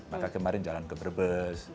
maka kemarin jalan ke brebes